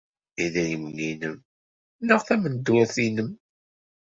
Idrimen-nnem neɣ tameddurt-nnem!